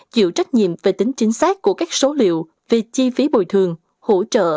chịu trách nhiệm về tính chính xác của các số liệu về chi phí bồi thường hỗ trợ